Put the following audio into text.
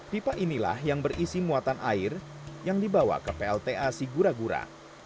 pipa inilah yang berisi muatan air yang dibawa ke plta sigura gura